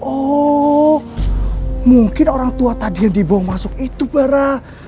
oh mungkin orang tua tadi yang dibawa masuk itu bara